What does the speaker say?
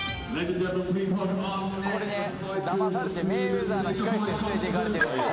これね騙されてメイウェザーの控室に連れて行かれてるんですよ。